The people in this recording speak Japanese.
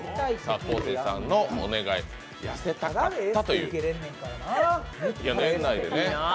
昴生さんのお願い痩せたかったという。